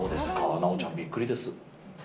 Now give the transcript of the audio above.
直ちゃんびっくりです。